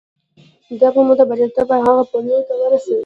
دا به مو د برياليتوب هغو پوړيو ته ورسوي.